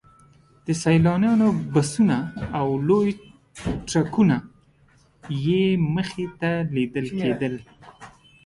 د سیلانیانو بسونه او لوی ټرکونه یې مخې ته لیدل کېدل.